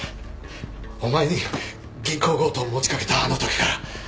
お前に銀行強盗を持ち掛けたあのときから。